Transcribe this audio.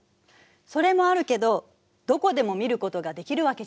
それもあるけどどこでも見ることができるわけじゃないの。